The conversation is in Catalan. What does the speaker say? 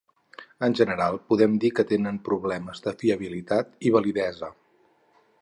En general podem dir que tenen problemes de fiabilitat i validesa.